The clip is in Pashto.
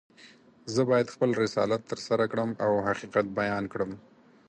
زه باید خپل رسالت ترسره کړم او حقیقت بیان کړم.